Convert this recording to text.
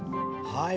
はい。